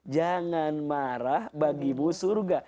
jangan marah bagimu surga